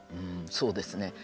そうですね。